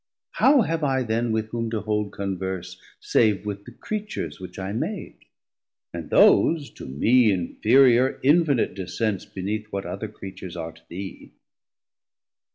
How have I then with whom to hold converse Save with the Creatures which I made, and those To me inferiour, infinite descents 410 Beneath what other Creatures are to thee?